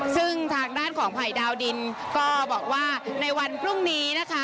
ซึ่งทางด้านของภัยดาวดินก็บอกว่าในวันพรุ่งนี้นะคะ